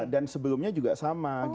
dan sebelumnya juga sama